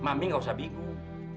mami gak usah bingung